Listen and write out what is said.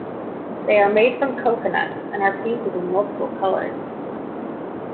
They are made from coconuts and are painted in multiple colors.